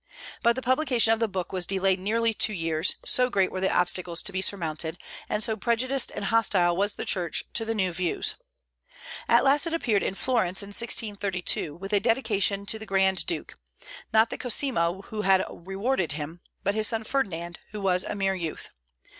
But the publication of the book was delayed nearly two years, so great were the obstacles to be surmounted, and so prejudiced and hostile was the Church to the new views. At last it appeared in Florence in 1632, with a dedication to the Grand Duke, not the Cosimo who had rewarded him, but his son Ferdinand, who was a mere youth.